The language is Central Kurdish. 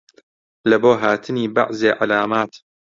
لەبۆ هاتنی بەعزێ عەلامات